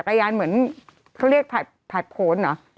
ประยานเหมือนเขาเรียกผัดโพสต์เหรอ